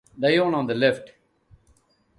Dionne on the left.